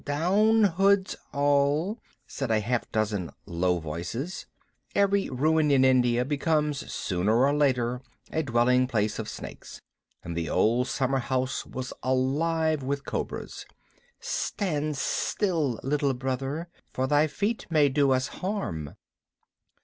Down hoods all!" said half a dozen low voices (every ruin in India becomes sooner or later a dwelling place of snakes, and the old summerhouse was alive with cobras). "Stand still, Little Brother, for thy feet may do us harm."